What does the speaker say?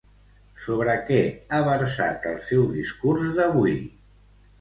Sobre què ha versat el seu discurs d'avui?